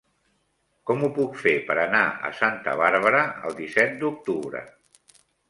Com ho puc fer per anar a Santa Bàrbara el disset d'octubre?